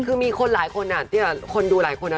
คือมีคนหลายคนคนดูหลายคน